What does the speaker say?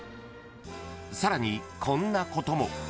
［さらにこんなことも］